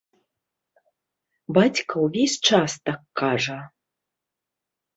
Бацька ўвесь час так кажа.